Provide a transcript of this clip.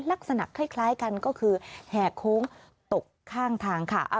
ลักษณะคล้ายกันก็คือแห่โค้งตกข้างทางค่ะ